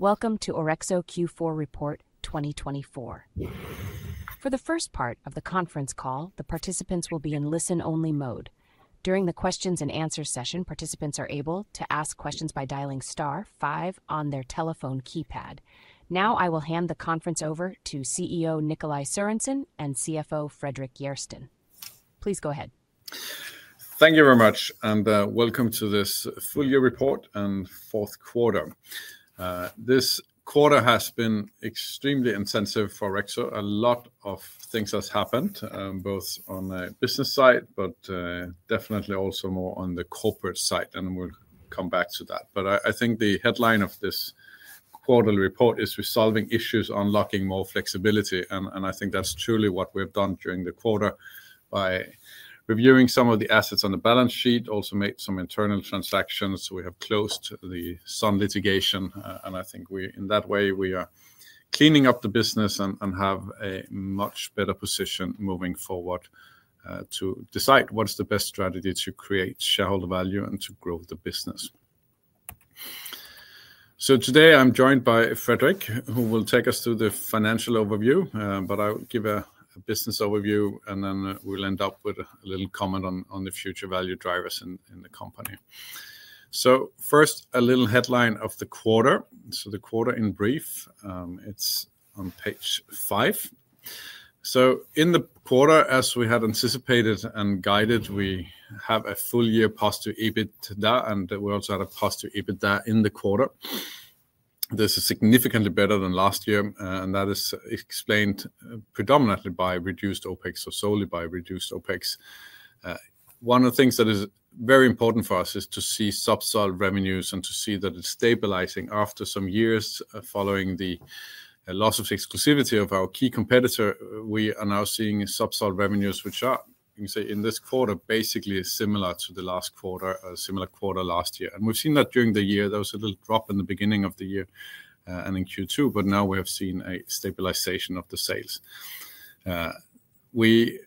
Welcome to Orexo Q4 Report 2024. For the first part of the conference call, the participants will be in listen-only mode. During the Q&A session, participants are able to ask questions by dialing *5 on their telephone keypad. Now I will hand the conference over to CEO Nikolaj Sørensen and CFO Fredrik Järrsten. Please go ahead. Thank you very much, and welcome to this full-year report and fourth quarter. This quarter has been extremely intensive for Orexo. A lot of things have happened, both on the business side, but definitely also more on the corporate side, and we'll come back to that. I think the headline of this quarterly report is "Resolving Issues: Unlocking More Flexibility," and I think that's truly what we've done during the quarter by reviewing some of the assets on the balance sheet, also made some internal transactions. We have closed the Sun litigation, and I think in that way we are cleaning up the business and have a much better position moving forward to decide what's the best strategy to create shareholder value and to grow the business. Today I'm joined by Frederik, who will take us through the financial overview, but I'll give a business overview, and then we'll end up with a little comment on the future value drivers in the company. First, a little headline of the quarter, so the quarter in brief, it's on page 5. In the quarter, as we had anticipated and guided, we have a full-year positive EBITDA, and we also had a positive EBITDA in the quarter. This is significantly better than last year, and that is explained predominantly by reduced OPEX or solely by reduced OPEX. One of the things that is very important for us is to see subsidized revenues and to see that it's stabilizing after some years following the loss of exclusivity of our key competitor. We are now seeing subsidized revenues, which are, you can say, in this quarter basically similar to the last quarter, a similar quarter last year. We have seen that during the year. There was a little drop in the beginning of the year and in Q2, but now we have seen a stabilization of the sales. We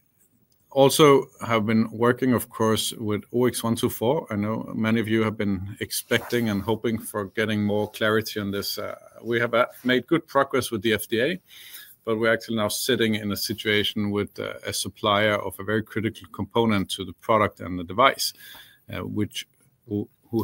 also have been working, of course, with OX124. I know many of you have been expecting and hoping for getting more clarity on this. We have made good progress with the FDA, but we're actually now sitting in a situation with a supplier of a very critical component to the product and the device, which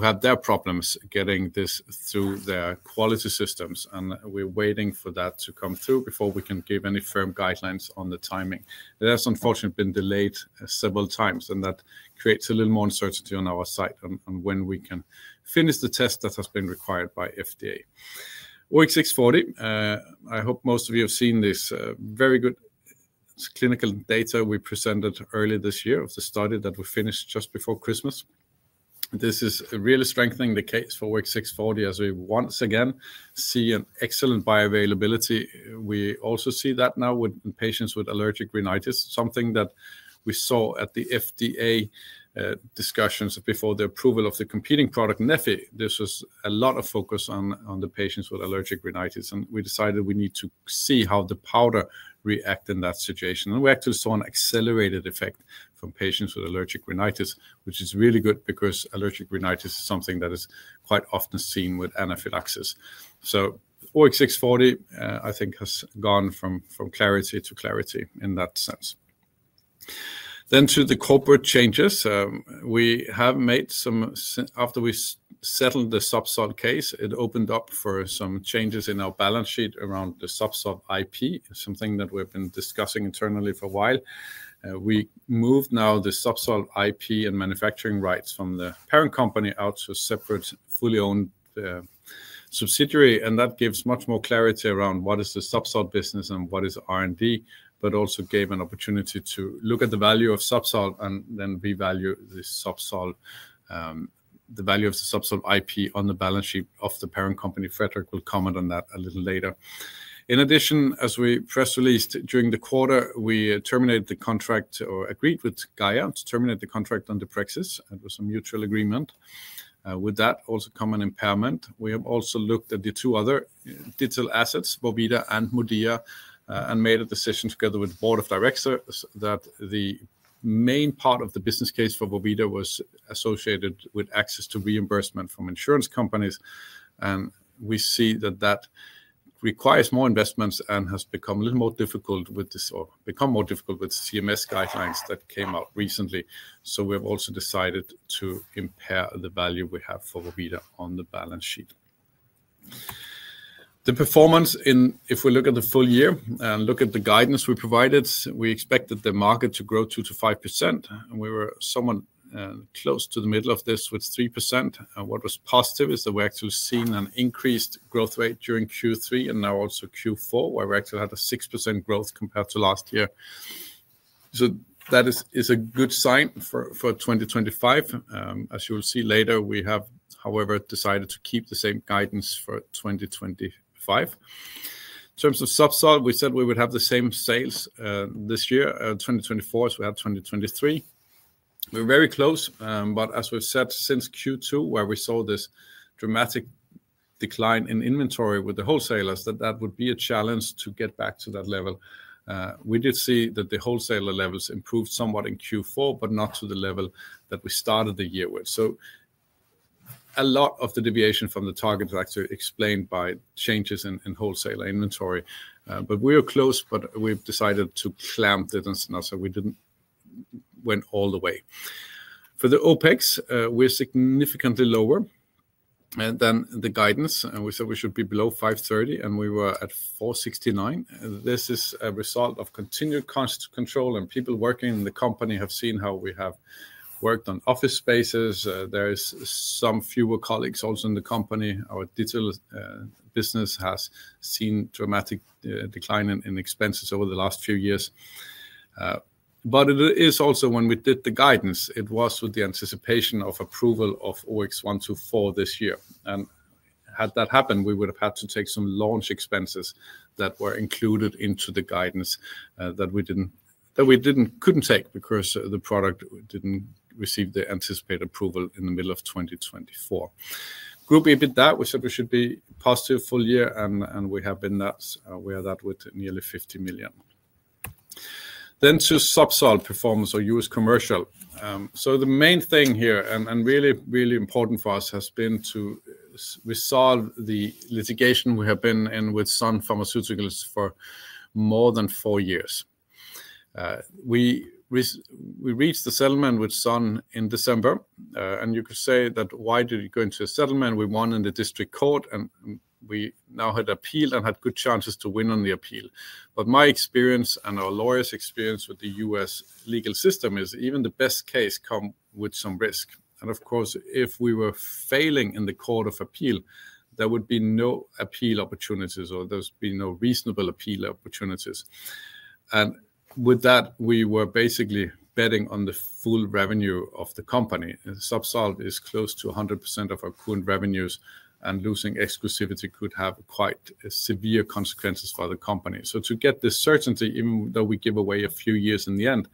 had their problems getting this through their quality systems, and we're waiting for that to come through before we can give any firm guidelines on the timing. That has unfortunately been delayed several times, and that creates a little more uncertainty on our side on when we can finish the test that has been required by FDA. OX640, I hope most of you have seen this very good clinical data we presented earlier this year of the study that we finished just before Christmas. This is really strengthening the case for OX640 as we once again see an excellent bioavailability. We also see that now with patients with allergic rhinitis, something that we saw at the FDA discussions before the approval of the competing product NEFI. This was a lot of focus on the patients with allergic rhinitis, and we decided we need to see how the powder reacts in that situation. We actually saw an accelerated effect from patients with allergic rhinitis, which is really good because allergic rhinitis is something that is quite often seen with anaphylaxis. OX640, I think, has gone from clarity to clarity in that sense. To the corporate changes. We have made some, after we settled the ZUBSOLV case, it opened up for some changes in our balance sheet around the ZUBSOLV IP, something that we've been discussing internally for a while. We moved now the ZUBSOLV IP and manufacturing rights from the parent company out to a separate fully owned subsidiary, and that gives much more clarity around what is the ZUBSOLV business and what is R&D, but also gave an opportunity to look at the value of ZUBSOLV and then revalue the ZUBSOLV IP on the balance sheet of the parent company. Frederik will comment on that a little later. In addition, as we press released, during the quarter, we terminated the contract or agreed with Gaia to terminate the contract on the Praxis. It was a mutual agreement. With that also come an impairment. We have also looked at the two other digital assets, Bobeda and Modea, and made a decision together with the board of directors that the main part of the business case for Bobeda was associated with access to reimbursement from insurance companies. We see that that requires more investments and has become a little more difficult with this, or become more difficult with CMS guidelines that came out recently. We have also decided to impair the value we have for Bobeda on the balance sheet. The performance in, if we look at the full year and look at the guidance we provided, we expected the market to grow 2%-5%, and we were somewhat close to the middle of this with 3%. What was positive is that we actually seen an increased growth rate during Q3 and now also Q4, where we actually had a 6% growth compared to last year. That is a good sign for 2025. As you will see later, we have, however, decided to keep the same guidance for 2025. In terms of subsidized, we said we would have the same sales this year, 2024, as we had 2023. We're very close, but as we've said, since Q2, where we saw this dramatic decline in inventory with the wholesalers, that that would be a challenge to get back to that level. We did see that the wholesaler levels improved somewhat in Q4, but not to the level that we started the year with. A lot of the deviation from the target is actually explained by changes in wholesaler inventory. We were close, but we've decided to clamp the distance now, so we did not go all the way. For the OPEX, we're significantly lower than the guidance, and we said we should be below 530 million, and we were at 469 million. This is a result of continued cost control, and people working in the company have seen how we have worked on office spaces. There are some fewer colleagues also in the company. Our digital business has seen a dramatic decline in expenses over the last few years. It is also when we did the guidance, it was with the anticipation of approval of OX124 this year. Had that happened, we would have had to take some launch expenses that were included into the guidance that we could not take because the product did not receive the anticipated approval in the middle of 2024. Group EBITDA, we said we should be positive full year, and we have been that. We are that with nearly 50 million. To subsidized performance or U.S. commercial. The main thing here, and really, really important for us, has been to resolve the litigation we have been in with Sun Pharmaceuticals for more than four years. We reached the settlement with Sun in December, and you could say that why did we go into a settlement? We won in the district court, and we now had appealed and had good chances to win on the appeal. My experience and our lawyers' experience with the U.S. legal system is even the best case comes with some risk. Of course, if we were failing in the court of appeal, there would be no appeal opportunities, or there would be no reasonable appeal opportunities. With that, we were basically betting on the full revenue of the company. ZUBSOLV is close to 100% of our current revenues, and losing exclusivity could have quite severe consequences for the company. To get this certainty, even though we give away a few years in the end,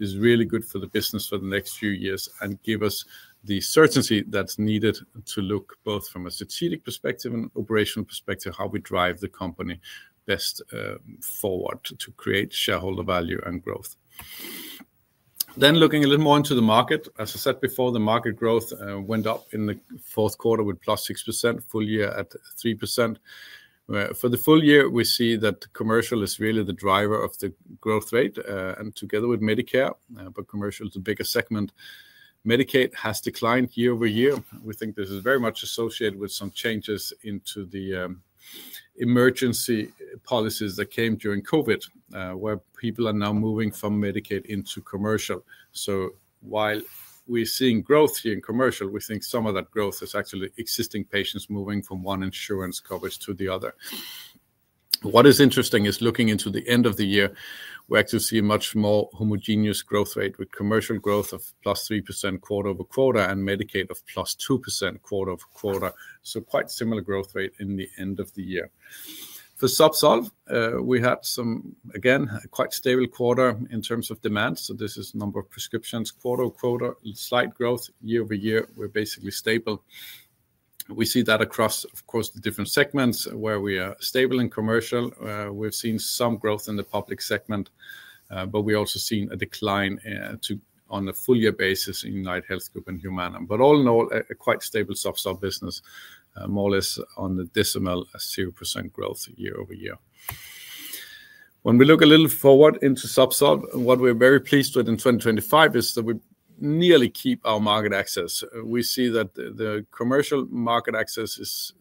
is really good for the business for the next few years and gives us the certainty that's needed to look both from a strategic perspective and operational perspective how we drive the company best forward to create shareholder value and growth. Looking a little more into the market, as I said before, the market growth went up in the fourth quarter with +6%, full year at 3%. For the full year, we see that commercial is really the driver of the growth rate, and together with Medicare, but commercial is the biggest segment. Medicaid has declined year over year. We think this is very much associated with some changes into the emergency policies that came during COVID, where people are now moving from Medicaid into commercial. While we're seeing growth here in commercial, we think some of that growth is actually existing patients moving from one insurance coverage to the other. What is interesting is looking into the end of the year, we actually see a much more homogeneous growth rate with commercial growth of +3% quarter over quarter and Medicaid of +2% quarter over quarter. Quite similar growth rate in the end of the year. For subsidized, we had some, again, quite stable quarter in terms of demand. This is number of prescriptions quarter over quarter, slight growth year over year. We're basically stable. We see that across, of course, the different segments where we are stable in commercial. We've seen some growth in the public segment, but we've also seen a decline on a full-year basis in UnitedHealth Group and Humana. All in all, a quite stable subsidized business, more or less on the decimal 0% growth year over year. When we look a little forward into subsidized, what we're very pleased with in 2025 is that we nearly keep our market access. We see that the commercial market access is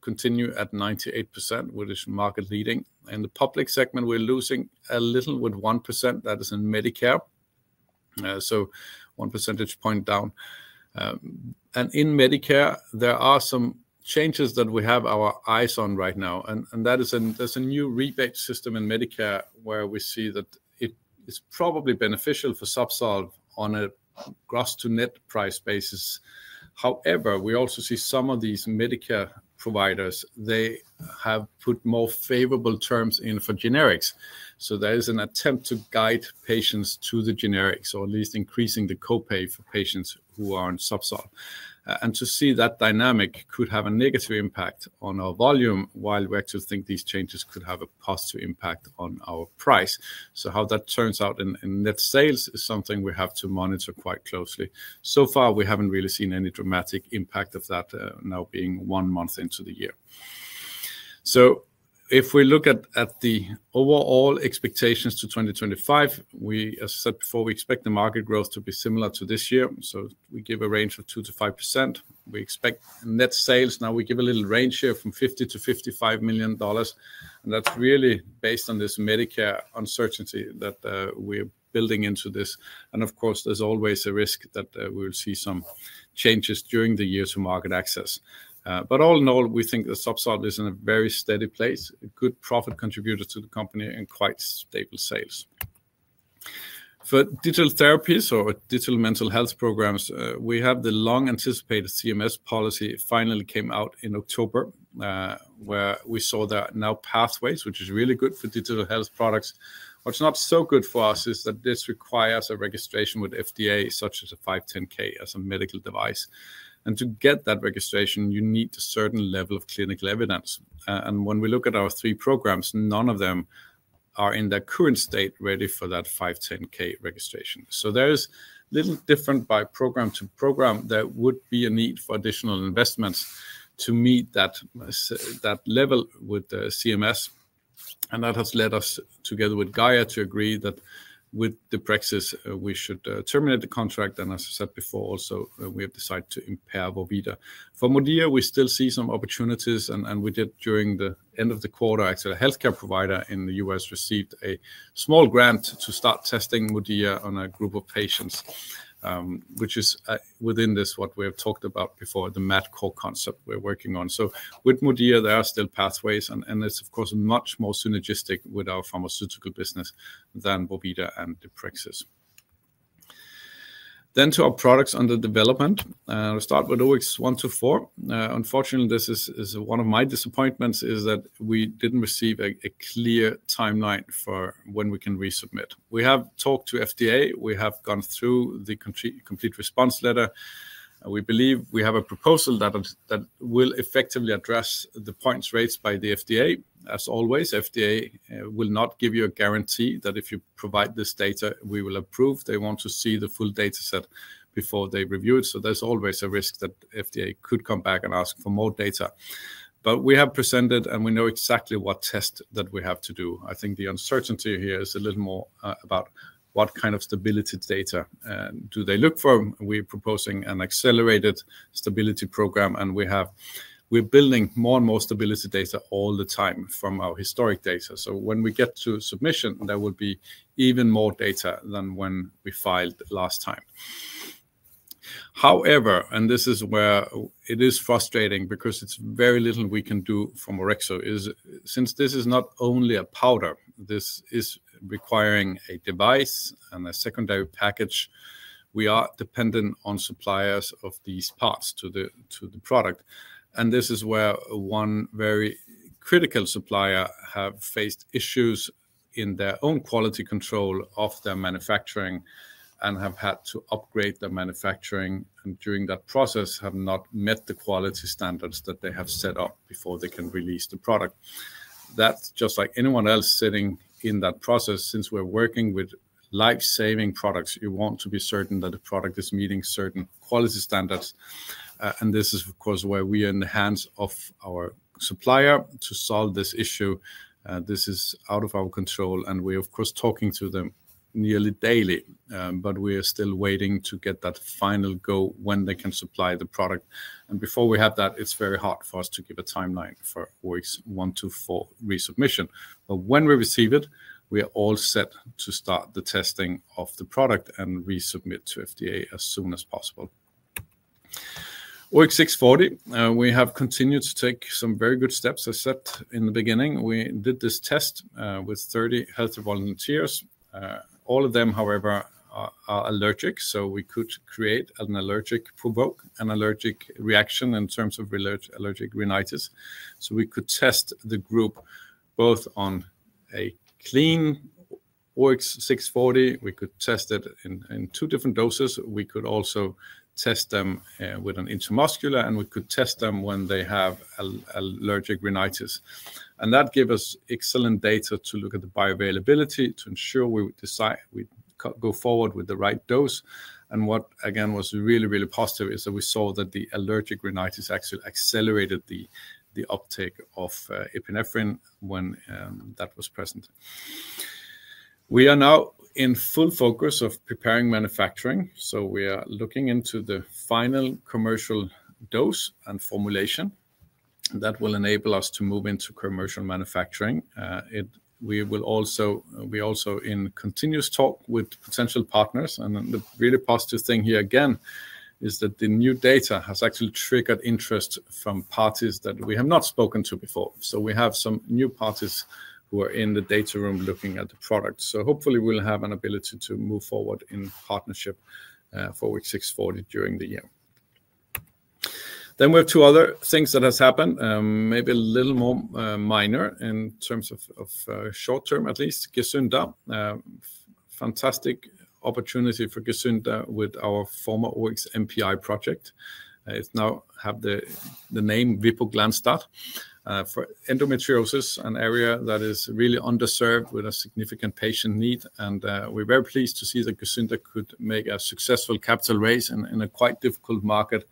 continued at 98%, which is market leading. In the public segment, we're losing a little with 1%. That is in Medicare, so 1 percentage point down. In Medicare, there are some changes that we have our eyes on right now. There is a new rebate system in Medicare where we see that it is probably beneficial for Zubsolv on a gross-to-net price basis. However, we also see some of these Medicare providers, they have put more favorable terms in for generics. There is an attempt to guide patients to the generics, or at least increasing the copay for patients who are on Zubsolv. To see that dynamic could have a negative impact on our volume, while we actually think these changes could have a positive impact on our price. How that turns out in net sales is something we have to monitor quite closely. So far, we have not really seen any dramatic impact of that now being one month into the year. If we look at the overall expectations to 2025, as I said before, we expect the market growth to be similar to this year. We give a range of 2%-5%. We expect net sales. Now we give a little range here from $50 million-$55 million, and that's really based on this Medicare uncertainty that we're building into this. Of course, there's always a risk that we will see some changes during the year to market access. All in all, we think the subsidized is in a very steady place, a good profit contributor to the company and quite stable sales. For digital therapies or digital mental health programs, we have the long-anticipated CMS policy finally came out in October, where we saw that now pathways, which is really good for digital health products. What's not so good for us is that this requires a registration with FDA, such as a 510(k) as a medical device. To get that registration, you need a certain level of clinical evidence. When we look at our three programs, none of them are in their current state ready for that 510(k) registration. There is a little different by program to program. There would be a need for additional investments to meet that level with CMS. That has led us, together with Gaia, to agree that with the Praxis, we should terminate the contract. As I said before, also, we have decided to impair Modea. For Modea, we still see some opportunities, and we did during the end of the quarter. Actually, a healthcare provider in the U.S. received a small grant to start testing Modea on a group of patients, which is within this what we have talked about before, the MAD core concept we're working on. With Modea, there are still pathways, and it's, of course, much more synergistic with our pharmaceutical business than Modea and the Praxis. To our products under development. I'll start with OX124. Unfortunately, this is one of my disappointments, is that we didn't receive a clear timeline for when we can resubmit. We have talked to FDA. We have gone through the complete response letter. We believe we have a proposal that will effectively address the points raised by the FDA. As always, FDA will not give you a guarantee that if you provide this data, we will approve. They want to see the full dataset before they review it. There is always a risk that FDA could come back and ask for more data. We have presented, and we know exactly what test that we have to do. I think the uncertainty here is a little more about what kind of stability data they look for. We are proposing an accelerated stability program, and we are building more and more stability data all the time from our historic data. When we get to submission, there will be even more data than when we filed last time. However, and this is where it is frustrating because there is very little we can do from Orexo, since this is not only a powder, this is requiring a device and a secondary package. We are dependent on suppliers of these parts to the product. This is where one very critical supplier has faced issues in their own quality control of their manufacturing and have had to upgrade their manufacturing. During that process, they have not met the quality standards that they have set up before they can release the product. That is just like anyone else sitting in that process. Since we are working with life-saving products, you want to be certain that the product is meeting certain quality standards. This is, of course, where we are in the hands of our supplier to solve this issue. This is out of our control, and we are, of course, talking to them nearly daily, but we are still waiting to get that final go when they can supply the product. Before we have that, it is very hard for us to give a timeline for OX124 resubmission. When we receive it, we are all set to start the testing of the product and resubmit to FDA as soon as possible. OX640, we have continued to take some very good steps. I said in the beginning, we did this test with 30 healthy volunteers. All of them, however, are allergic, so we could create an allergic provoke, an allergic reaction in terms of allergic rhinitis. We could test the group both on a clean OX640. We could test it in two different doses. We could also test them with an intramuscular, and we could test them when they have allergic rhinitis. That gave us excellent data to look at the bioavailability to ensure we decide we go forward with the right dose. What, again, was really, really positive is that we saw that the allergic rhinitis actually accelerated the uptake of epinephrine when that was present. We are now in full focus of preparing manufacturing. We are looking into the final commercial dose and formulation that will enable us to move into commercial manufacturing. We are also in continuous talk with potential partners. The really positive thing here again is that the new data has actually triggered interest from parties that we have not spoken to before. We have some new parties who are in the data room looking at the product. Hopefully, we will have an ability to move forward in partnership for OX640 during the year. We have two other things that have happened, maybe a little more minor in terms of short-term, at least. Gesunder, fantastic opportunity for Gesunder with our former OX MPI project. It now has the name Vipoglanstatt for endometriosis, an area that is really underserved with a significant patient need. We are very pleased to see that Gesunder could make a successful capital raise in a quite difficult market.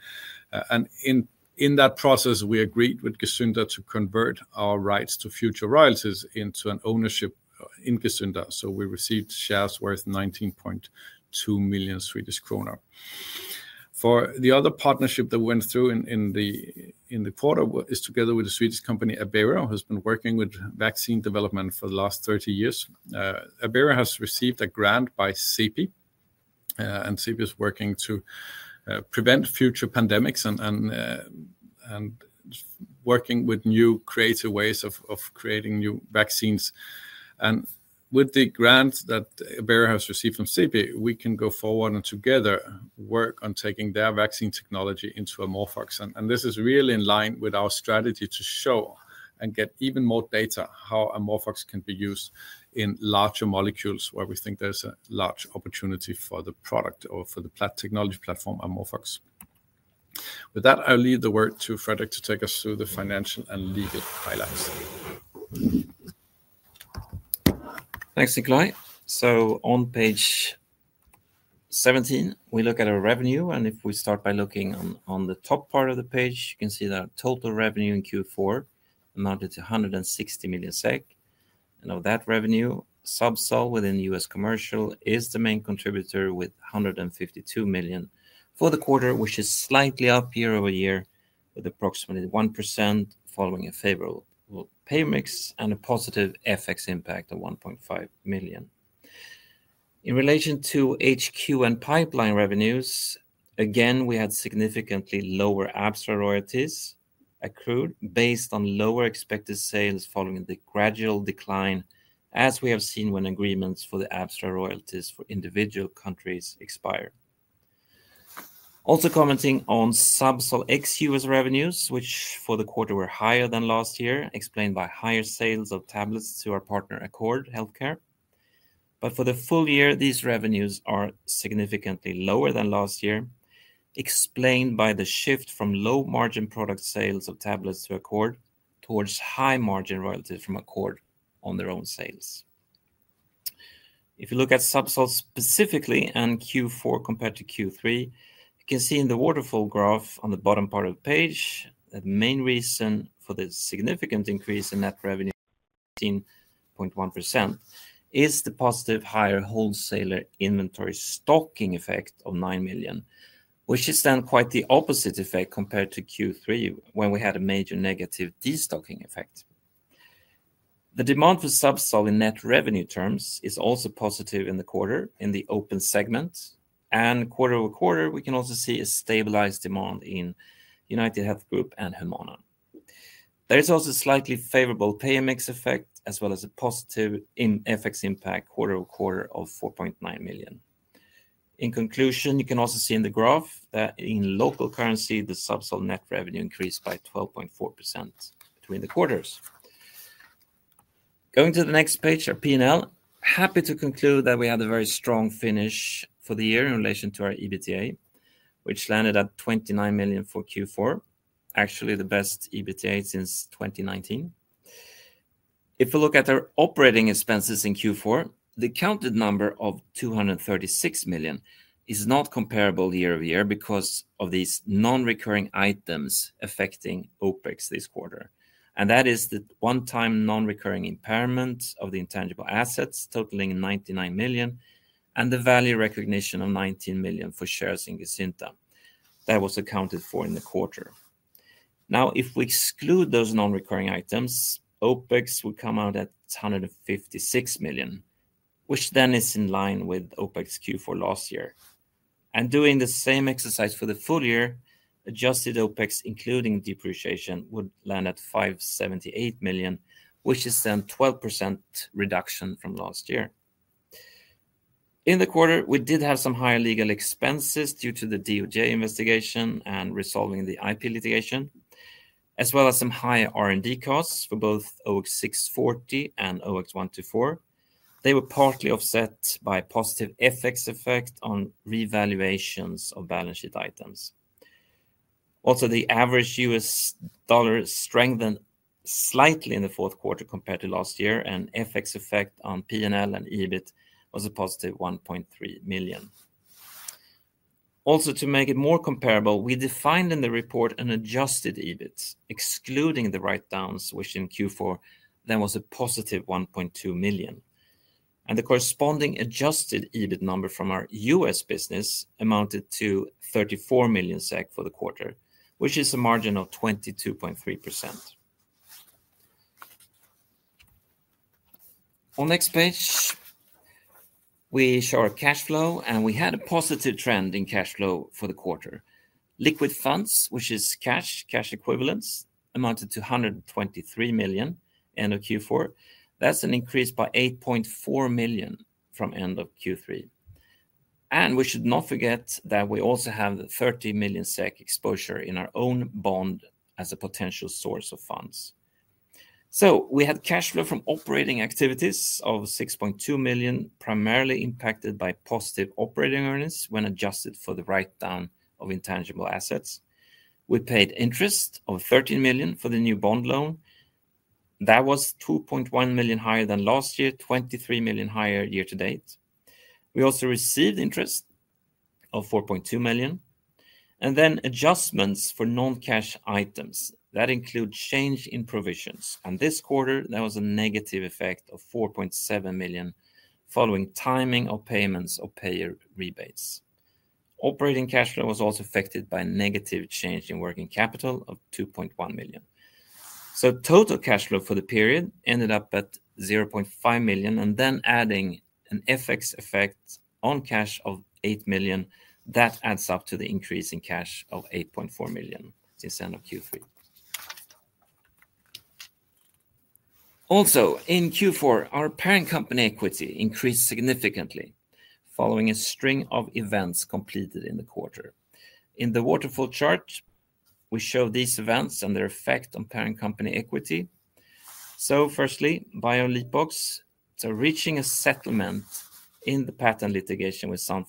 In that process, we agreed with Gesunder to convert our rights to future royalties into an ownership in Gesunder. We received shares worth 19.2 million Swedish kronor. The other partnership that went through in the quarter is together with the Swedish company Abera, who has been working with vaccine development for the last 30 years. Abera has received a grant by CEPI, and CEPI is working to prevent future pandemics and working with new creative ways of creating new vaccines. With the grant that Abera has received from CEPI, we can go forward and together work on taking their vaccine technology into Amorphox. This is really in line with our strategy to show and get even more data how Amorphox can be used in larger molecules, where we think there's a large opportunity for the product or for the technology platform, Amorphox. With that, I'll leave the word to Fredrik to take us through the financial and legal highlights. Thanks, Nikolaj. On page 17, we look at our revenue. If we start by looking on the top part of the page, you can see that total revenue in Q4 amounted to 160 million SEK. Of that revenue, subsidized within U.S. commercial is the main contributor with $152 million for the quarter, which is slightly up year over year with approximately 1% following a favorable pay mix and a positive FX impact of $1.5 million. In relation to HQ and pipeline revenues, again, we had significantly lower abstract royalties accrued based on lower expected sales following the gradual decline, as we have seen when agreements for the abstract royalties for individual countries expire. Also commenting on subsidized ex-U.S. revenues, which for the quarter were higher than last year, explained by higher sales of tablets to our partner Accord Healthcare. For the full year, these revenues are significantly lower than last year, explained by the shift from low-margin product sales of tablets to Accord towards high-margin royalties from Accord on their own sales. If you look at subsidized specifically and Q4 compared to Q3, you can see in the waterfall graph on the bottom part of the page that the main reason for the significant increase in net revenue of 16.1% is the positive higher wholesaler inventory stocking effect of 9 million, which is then quite the opposite effect compared to Q3 when we had a major negative destocking effect. The demand for subsidized in net revenue terms is also positive in the quarter in the open segment. Quarter over quarter, we can also see a stabilized demand in UnitedHealth Group and Humana. There is also a slightly favorable pay mix effect, as well as a positive FX impact quarter over quarter of 4.9 million. In conclusion, you can also see in the graph that in local currency, the subsidized net revenue increased by 12.4% between the quarters. Going to the next page, our P&L. Happy to conclude that we had a very strong finish for the year in relation to our EBITDA, which landed at 29 million for Q4, actually the best EBITDA since 2019. If we look at our operating expenses in Q4, the counted number of 236 million is not comparable year over year because of these non-recurring items affecting OPEX this quarter. That is the one-time non-recurring impairment of the intangible assets totaling 99 million and the value recognition of 19 million for shares in Gesunder that was accounted for in the quarter. Now, if we exclude those non-recurring items, OPEX would come out at 156 million, which then is in line with OPEX Q4 last year. Doing the same exercise for the full year, adjusted OPEX, including depreciation, would land at 578 million, which is then a 12% reduction from last year. In the quarter, we did have some higher legal expenses due to the DOJ investigation and resolving the IP litigation, as well as some higher R&D costs for both OX640 and OX124. They were partly offset by a positive FX effect on revaluations of balance sheet items. Also, the average US dollar strengthened slightly in the fourth quarter compared to last year, and FX effect on P&L and EBIT was a positive 1.3 million. Also, to make it more comparable, we defined in the report an adjusted EBIT, excluding the write-downs, which in Q4 then was a positive 1.2 million. The corresponding adjusted EBIT number from our U.S. business amounted to 34 million SEK for the quarter, which is a margin of 22.3%. On the next page, we show our cash flow, and we had a positive trend in cash flow for the quarter. Liquid funds, which is cash, cash equivalents, amounted to 123 million at the end of Q4. That is an increase by 8.4 million from the end of Q3. We should not forget that we also have 30 million SEK exposure in our own bond as a potential source of funds. We had cash flow from operating activities of 6.2 million, primarily impacted by positive operating earnings when adjusted for the write-down of intangible assets. We paid interest of 13 million for the new bond loan. That was 2.1 million higher than last year, 23 million higher year to date. We also received interest of 4.2 million. Adjustments for non-cash items include change in provisions. This quarter, there was a negative effect of 4.7 million following timing of payments of payer rebates. Operating cash flow was also affected by a negative change in working capital of 2.1 million. Total cash flow for the period ended up at 0.5 million. Adding an FX effect on cash of 8 million, that adds up to the increase in cash of 8.4 million since end of Q3. Also, in Q4, our parent company equity increased significantly following a string of events completed in the quarter. In the waterfall chart, we show these events and their effect on parent company equity. Firstly, by our B-Leapbox, reaching a settlement in the patent litigation with Sun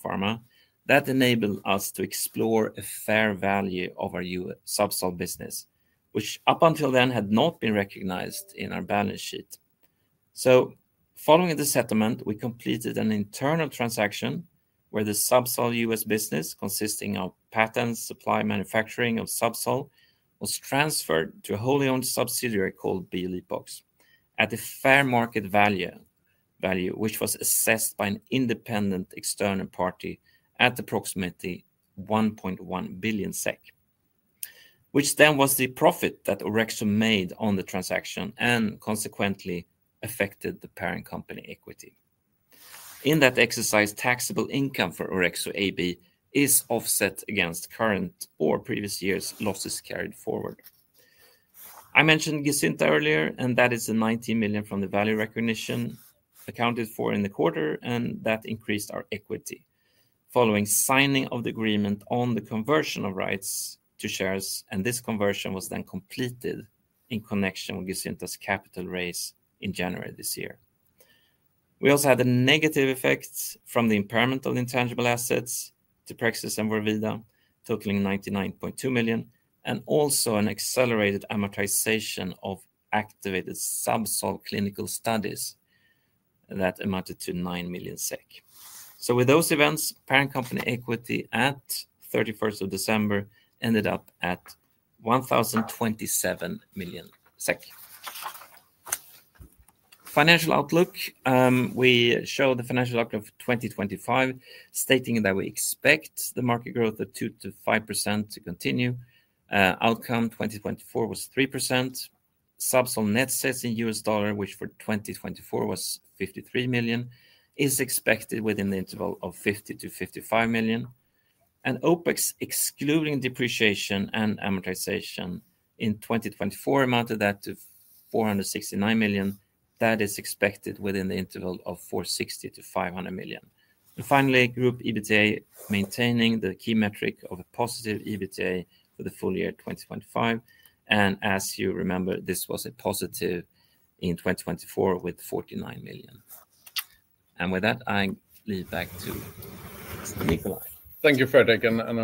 Pharmaceuticals enabled us to explore a fair value of our subsidized business, which up until then had not been recognized in our balance sheet. Following the settlement, we completed an internal transaction where the subsidized US business, consisting of patents, supply, manufacturing of subsidized, was transferred to a wholly owned subsidiary called B-Leapbox at a fair market value, which was assessed by an independent external party at approximately 1.1 billion SEK, which then was the profit that Orexo made on the transaction and consequently affected the parent company equity. In that exercise, taxable income for Orexo AB is offset against current or previous year's losses carried forward. I mentioned Gesunder earlier, and that is the 19 million from the value recognition accounted for in the quarter, and that increased our equity following signing of the agreement on the conversion of rights to shares. This conversion was then completed in connection with Gesunder's capital raise in January this year. We also had a negative effect from the impairment of intangible assets to Praxis and Vorvida, totaling 99.2 million, and also an accelerated amortization of activated subsidized clinical studies that amounted to 9 million SEK. With those events, parent company equity at 31st of December ended up at 1,027 million SEK. Financial outlook, we show the financial outlook for 2025, stating that we expect the market growth of 2-5% to continue. Outcome 2024 was 3%. Subsidized net sales in US dollar, which for 2024 was $53 million, is expected within the interval of $50-$55 million. OPEX, excluding depreciation and amortization in 2024, amounted to 469 million. That is expected within the interval of 460-500 million. Finally, group EBITDA maintaining the key metric of a positive EBITDA for the full year 2025. As you remember, this was a positive in 2024 with 49 million. With that, I leave back to Nikolaj. Thank you, Fredrik.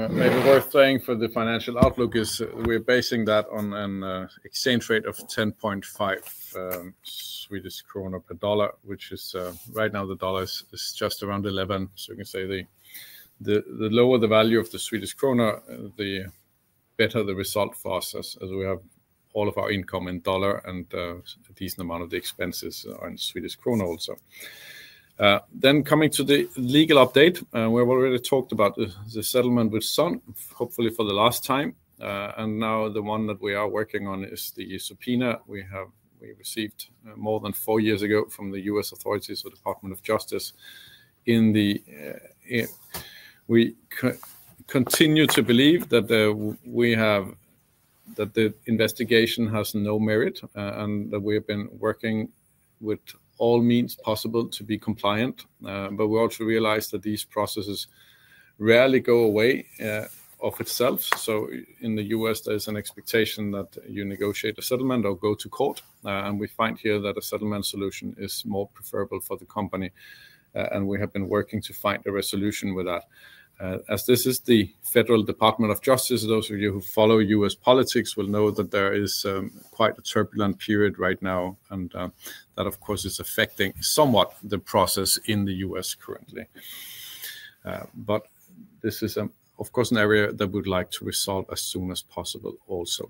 Maybe worth saying for the financial outlook is we're basing that on an exchange rate of 10.5 Swedish kronor per dollar, which is right now the dollar is just around 11. You can say the lower the value of the Swedish kronor, the better the result for us, as we have all of our income in dollar and a decent amount of the expenses are in Swedish kronor also. Coming to the legal update, we have already talked about the settlement with Sun, hopefully for the last time. The one that we are working on is the subpoena we received more than four years ago from the U.S. authorities or Department of Justice. We continue to believe that the investigation has no merit and that we have been working with all means possible to be compliant. We also realize that these processes rarely go away of itself. In the U.S., there is an expectation that you negotiate a settlement or go to court. We find here that a settlement solution is more preferable for the company. We have been working to find a resolution with that. As this is the Federal Department of Justice, those of you who follow U.S. politics will know that there is quite a turbulent period right now. That, of course, is affecting somewhat the process in the U.S. currently. This is, of course, an area that we'd like to resolve as soon as possible also.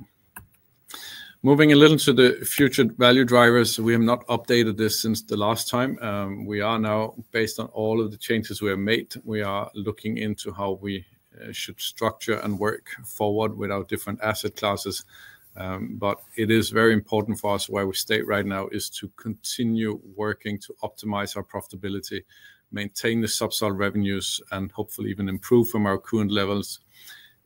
Moving a little to the future value drivers, we have not updated this since the last time. We are now, based on all of the changes we have made, looking into how we should structure and work forward with our different asset classes. It is very important for us where we state right now to continue working to optimize our profitability, maintain the subsidized revenues, and hopefully even improve from our current levels.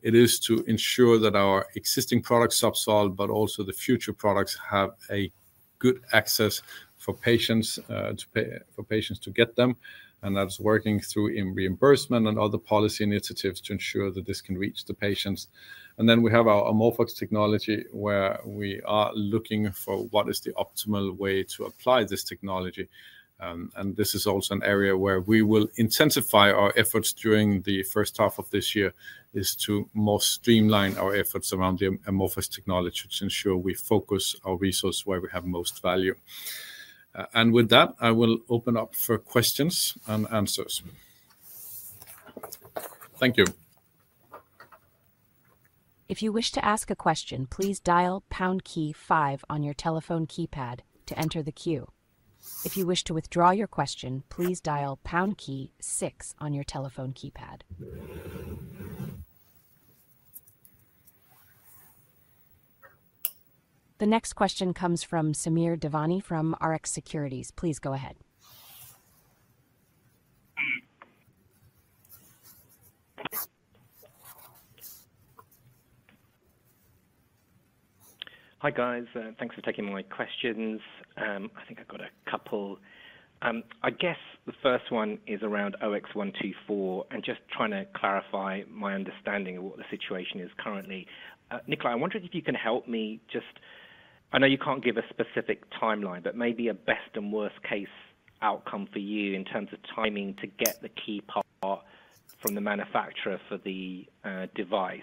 It is to ensure that our existing product subsidized, but also the future products have a good access for patients to get them. That is working through reimbursement and other policy initiatives to ensure that this can reach the patients. We have our Amorphox technology where we are looking for what is the optimal way to apply this technology. This is also an area where we will intensify our efforts during the first half of this year, to more streamline our efforts around the Amorphox technology, to ensure we focus our resource where we have most value. With that, I will open up for questions and answers. Thank you. If you wish to ask a question, please dial pound key five on your telephone keypad to enter the queue. If you wish to withdraw your question, please dial pound key six on your telephone keypad. The next question comes from Samir Devani from RX Securities. Please go ahead. Hi guys, thanks for taking my questions. I think I've got a couple. I guess the first one is around OX124 and just trying to clarify my understanding of what the situation is currently. Nikolaj, I'm wondering if you can help me just, I know you can't give a specific timeline, but maybe a best and worst case outcome for you in terms of timing to get the key part from the manufacturer for the device.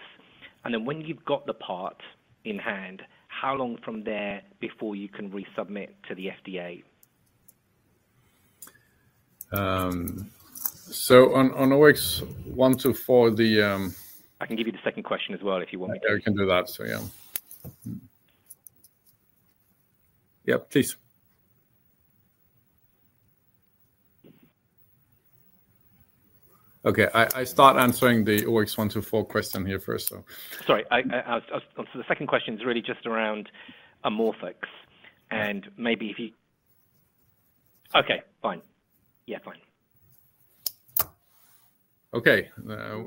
When you've got the part in hand, how long from there before you can resubmit to the FDA? On OX124, I can give you the second question as well if you want me to. I can do that, so yeah. Yep, please. Okay, I start answering the OX124 question here first. Sorry, the second question is really just around Amorphox and maybe if you. Okay, fine. Yeah, fine. Okay,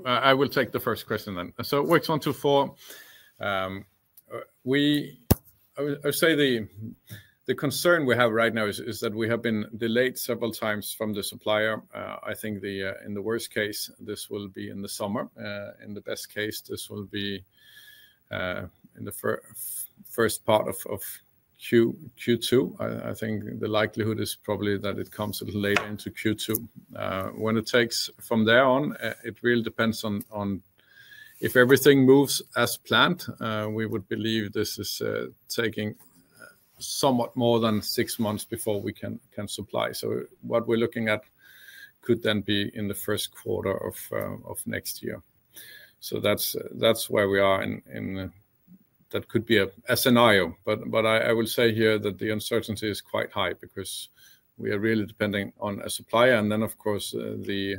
I will take the first question then. OX124, I would say the concern we have right now is that we have been delayed several times from the supplier. I think in the worst case, this will be in the summer. In the best case, this will be in the first part of Q2. I think the likelihood is probably that it comes a little later into Q2. When it takes from there on, it really depends on if everything moves as planned, we would believe this is taking somewhat more than six months before we can supply. What we're looking at could then be in the first quarter of next year. That's where we are in that could be a scenario. I will say here that the uncertainty is quite high because we are really depending on a supplier. Of course, the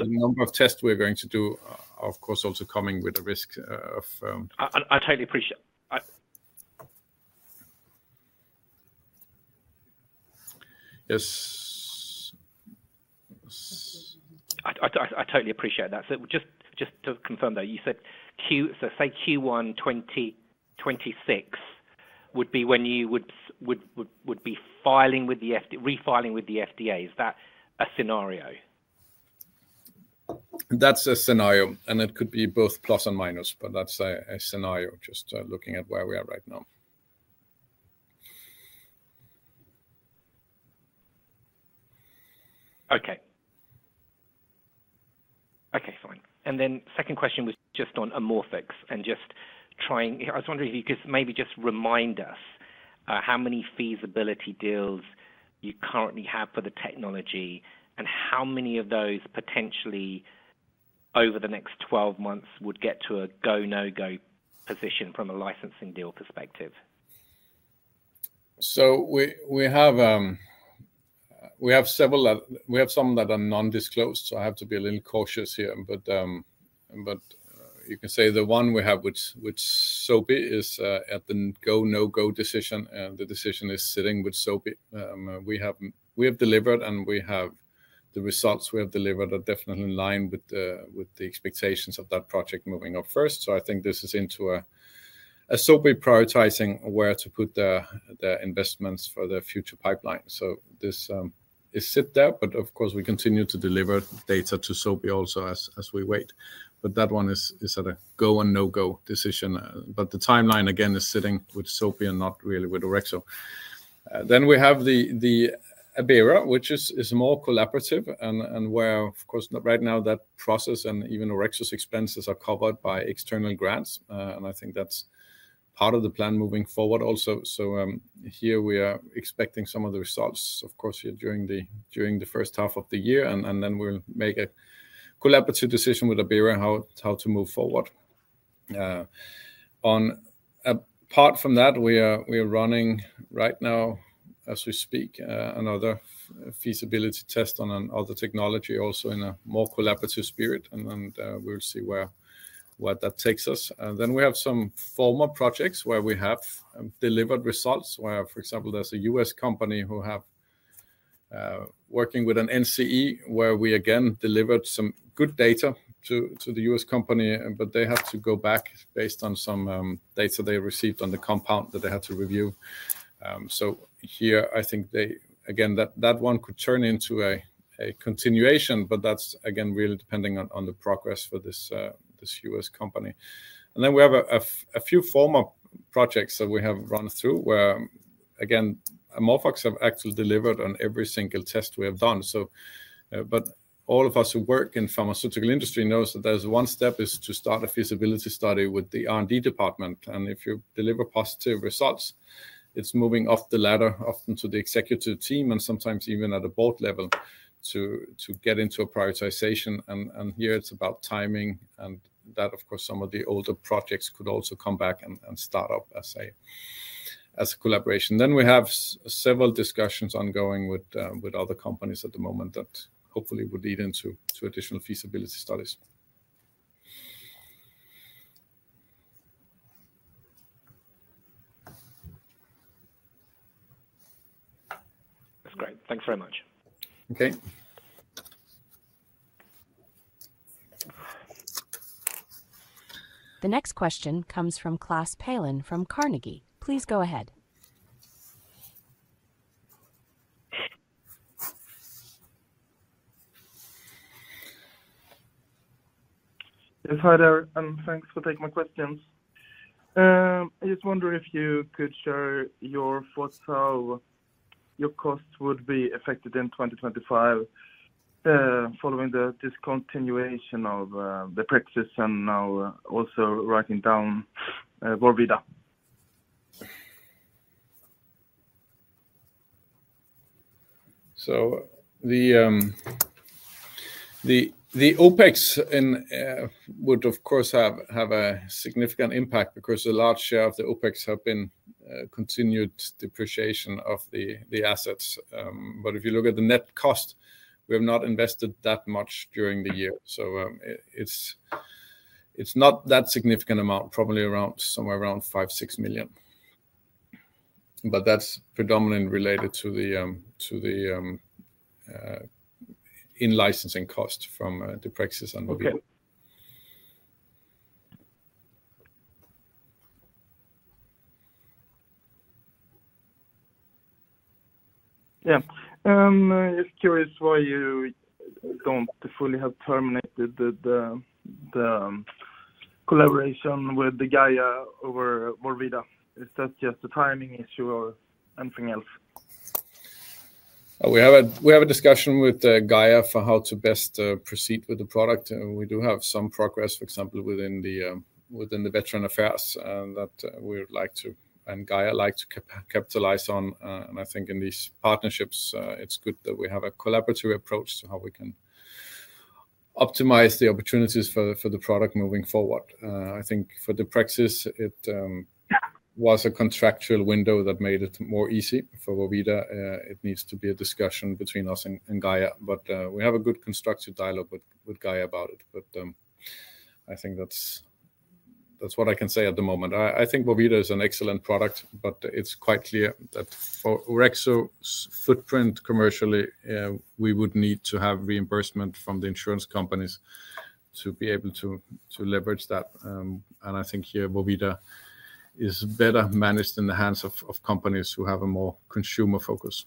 number of tests we're going to do also comes with a risk. I totally appreciate that. Yes, I totally appreciate that. Just to confirm, you said Q1 2026 would be when you would be refiling with the FDA. Is that a scenario? That's a scenario, and it could be both plus and minus, but that's a scenario just looking at where we are right now. Okay, fine. The second question was just on Amorphox, and I was wondering if you could maybe just remind us how many feasibility deals you currently have for the technology and how many of those potentially over the next 12 months would get to a go/no-go position from a licensing deal perspective. We have some that are non-disclosed, so I have to be a little cautious here. You can say the one we have with SOBI is at the go/no-go decision, and the decision is sitting with SOBI. We have delivered, and the results we have delivered are definitely in line with the expectations of that project moving up first. I think this is into SOBI prioritizing where to put the investments for the future pipeline. This is sit there, but of course, we continue to deliver data to SOBI also as we wait. That one is at a go and no-go decision. The timeline again is sitting with SOBI and not really with Orexo. We have the Abera, which is a small collaborative and where, of course, right now that process and even Orexo's expenses are covered by external grants. I think that's part of the plan moving forward also. Here we are expecting some of the results, of course, here during the first half of the year. We will make a collaborative decision with Abera how to move forward. Apart from that, we are running right now, as we speak, another feasibility test on another technology also in a more collaborative spirit. We will see where that takes us. We have some former projects where we have delivered results where, for example, there is a U.S. company who have been working with an NCE where we again delivered some good data to the U.S. company, but they have to go back based on some data they received on the compound that they had to review. Here, I think again, that one could turn into a continuation, but that's again really depending on the progress for this U.S. company. We have a few former projects that we have run through where, again, Amorphox have actually delivered on every single test we have done. All of us who work in the pharmaceutical industry know that one step is to start a feasibility study with the R&D department. If you deliver positive results, it is moving off the ladder often to the executive team and sometimes even at a board level to get into a prioritization. Here, it's about timing and that, of course, some of the older projects could also come back and start up as a collaboration. We have several discussions ongoing with other companies at the moment that hopefully would lead into additional feasibility studies. That's great. Thanks very much. Okay. The next question comes from Klas Palin from Carnegie. Please go ahead. Yes, hi there. Thanks for taking my questions. I just wonder if you could share your thoughts how your cost would be affected in 2025 following the discontinuation of the Praxis and now also writing down Vorvida. The OpEx would, of course, have a significant impact because a large share of the OpEx have been continued depreciation of the assets. If you look at the net cost, we have not invested that much during the year. It is not that significant amount, probably around somewhere around 5 million-6 million. That is predominantly related to the in-licensing cost from the Praxis and Vorvida. Yeah. Just curious why you do not fully have terminated the collaboration with Gaia over Vorvida. Is that just a timing issue or anything else? We have a discussion with Gaia for how to best proceed with the product. We do have some progress, for example, within the veteran affairs that we would like to, and Gaia liked to capitalize on. I think in these partnerships, it's good that we have a collaborative approach to how we can optimize the opportunities for the product moving forward. I think for the Praxis, it was a contractual window that made it more easy. For Vorvida, it needs to be a discussion between us and Gaia, but we have a good constructive dialogue with Gaia about it. I think that's what I can say at the moment. I think Vorvida is an excellent product, but it's quite clear that for Orexo's footprint commercially, we would need to have reimbursement from the insurance companies to be able to leverage that. I think here Vorvida is better managed in the hands of companies who have a more consumer focus.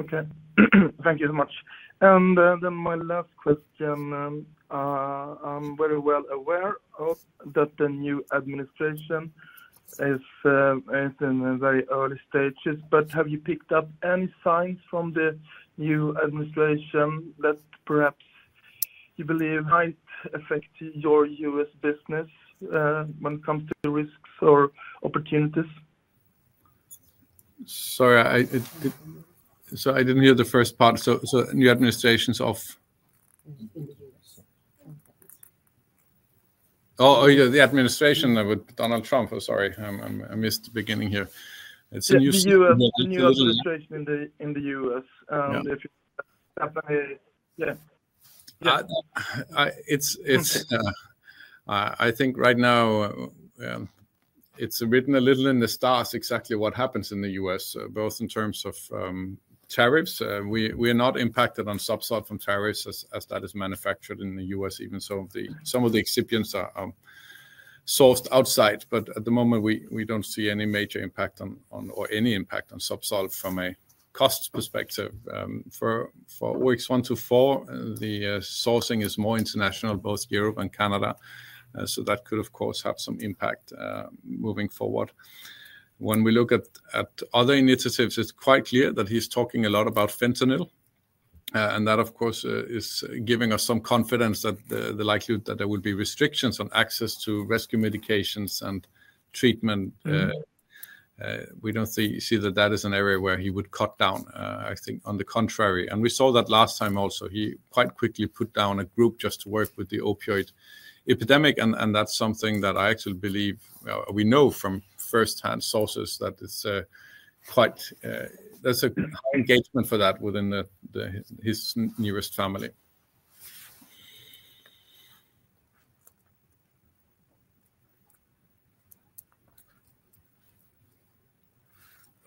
Okay. Thank you so much. My last question. I'm very well aware that the new administration is in the very early stages, but have you picked up any signs from the new administration that perhaps you believe might affect your U.S. business when it comes to risks or opportunities? Sorry, I didn't hear the first part. New administration's off. Oh, the administration with Donald Trump. I'm sorry. I missed the beginning here. It's a new administration. The new administration in the U.S. Yeah. I think right now it's written a little in the stars exactly what happens in the U.S., both in terms of tariffs. We are not impacted or subsidized from tariffs as that is manufactured in the U.S., even some of the excipients are sourced outside. At the moment, we do not see any major impact on or any impact on subsidized from a cost perspective. For OX124, the sourcing is more international, both Europe and Canada. That could, of course, have some impact moving forward. When we look at other initiatives, it is quite clear that he is talking a lot about fentanyl. That, of course, is giving us some confidence that the likelihood that there would be restrictions on access to rescue medications and treatment. We do not see that that is an area where he would cut down. I think, on the contrary. We saw that last time also. He quite quickly put down a group just to work with the opioid epidemic. That is something that I actually believe we know from firsthand sources that there is a high engagement for that within his nearest family.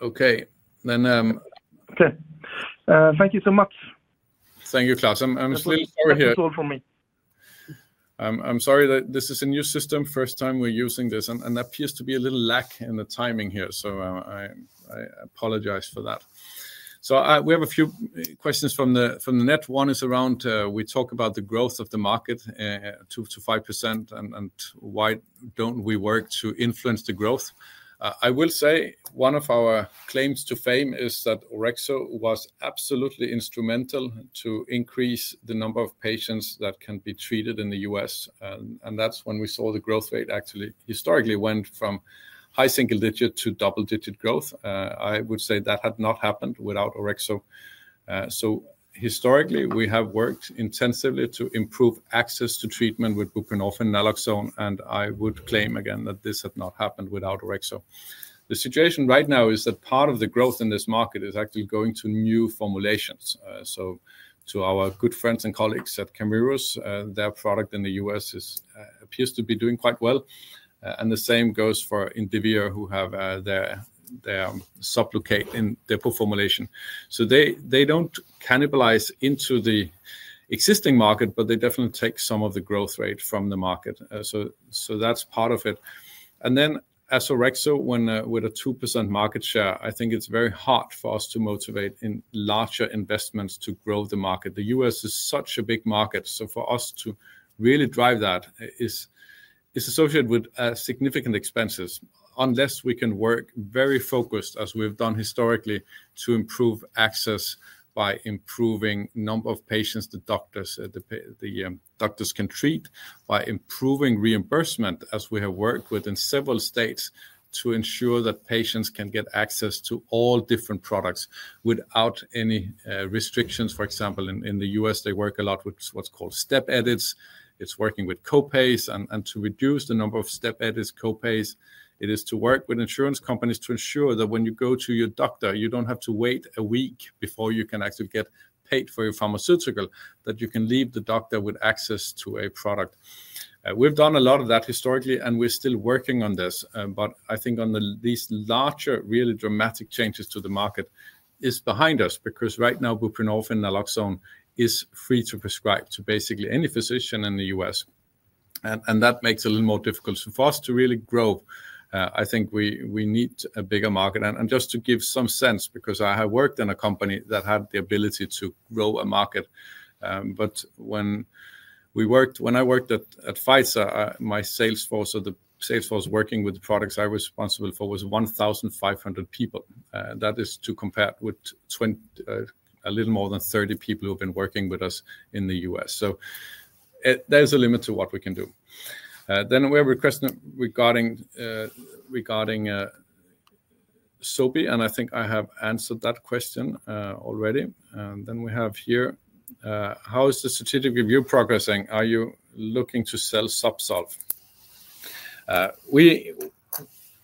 Okay. Thank you so much. Thank you, Klas. I'm just a little sorry here. It's all for me. I'm sorry that this is a new system, first time we're using this. There appears to be a little lack in the timing here, so I apologize for that. We have a few questions from the net. One is around we talk about the growth of the market to 5% and why don't we work to influence the growth. I will say one of our claims to fame is that Orexo was absolutely instrumental to increase the number of patients that can be treated in the U.S. That's when we saw the growth rate actually historically went from high single digit to double digit growth. I would say that had not happened without Orexo. Historically, we have worked intensively to improve access to treatment with buprenorphine, naloxone, and I would claim again that this had not happened without Orexo. The situation right now is that part of the growth in this market is actually going to new formulations. To our good friends and colleagues at Kemiros, their product in the U.S. appears to be doing quite well. The same goes for Indivior who have their Sublocade in Depo formulation. They do not cannibalize into the existing market, but they definitely take some of the growth rate from the market. That is part of it. As Orexo, with a 2% market share, I think it is very hard for us to motivate in larger investments to grow the market. The U.S. is such a big market. For us to really drive that is associated with significant expenses unless we can work very focused, as we've done historically, to improve access by improving the number of patients the doctors can treat, by improving reimbursement as we have worked within several states to ensure that patients can get access to all different products without any restrictions. For example, in the U.S., they work a lot with what's called step edits. It's working with copays. To reduce the number of step edits, copays, it is to work with insurance companies to ensure that when you go to your doctor, you don't have to wait a week before you can actually get paid for your pharmaceutical, that you can leave the doctor with access to a product. We've done a lot of that historically, and we're still working on this. I think these larger really dramatic changes to the market are behind us because right now buprenorphine and naloxone is free to prescribe to basically any physician in the U.S. That makes it a little more difficult for us to really grow. I think we need a bigger market. Just to give some sense, because I have worked in a company that had the ability to grow a market, when I worked at Pfizer, my sales force, or the sales force working with the products I was responsible for, was 1,500 people. That is to compare with a little more than 30 people who have been working with us in the U.S. There is a limit to what we can do. We have a question regarding SOBI, and I think I have answered that question already. Then we have here, how is the strategic review progressing? Are you looking to sell ZUBSOLV?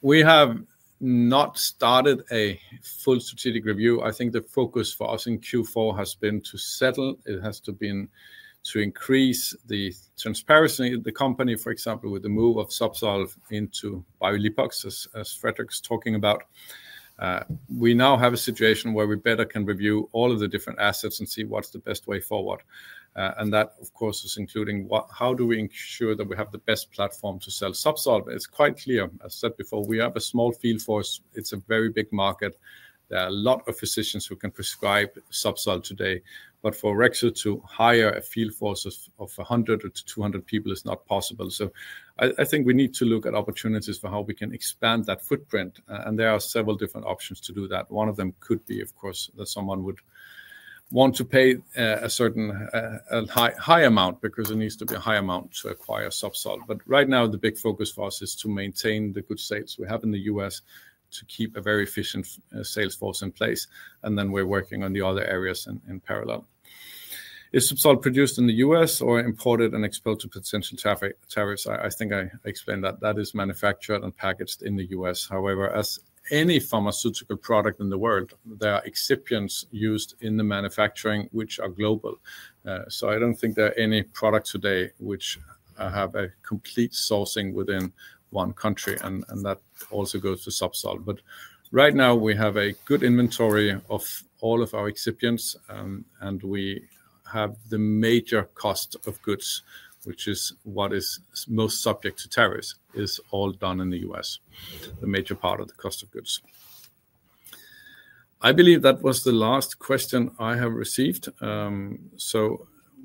We have not started a full strategic review. I think the focus for us in Q4 has been to settle. It has to be to increase the transparency. The company, for example, with the move of ZUBSOLV into B-Leapbox, as Fredrik is talking about, we now have a situation where we better can review all of the different assets and see what's the best way forward. That, of course, is including how do we ensure that we have the best platform to sell ZUBSOLV. It's quite clear, as I said before, we have a small field force. It's a very big market. There are a lot of physicians who can prescribe ZUBSOLV today. For Orexo to hire a field force of 100-200 people is not possible. I think we need to look at opportunities for how we can expand that footprint. There are several different options to do that. One of them could be, of course, that someone would want to pay a certain high amount because it needs to be a high amount to acquire ZUBSOLV. Right now, the big focus for us is to maintain the good sales we have in the U.S. to keep a very efficient sales force in place. We are working on the other areas in parallel. Is ZUBSOLV produced in the U.S. or imported and exposed to potential tariffs? I think I explained that. That is manufactured and packaged in the U.S. However, as any pharmaceutical product in the world, there are excipients used in the manufacturing, which are global. I don't think there are any products today which have a complete sourcing within one country. That also goes to Zubsolv. Right now, we have a good inventory of all of our excipients. The major cost of goods, which is what is most subject to tariffs, is all done in the U.S., the major part of the cost of goods. I believe that was the last question I have received.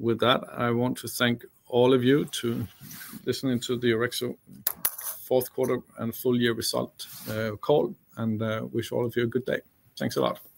With that, I want to thank all of you for listening to the Orexo fourth quarter and full year result call and wish all of you a good day. Thanks a lot.